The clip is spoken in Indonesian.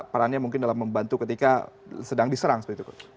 perannya mungkin dalam membantu ketika sedang diserang seperti itu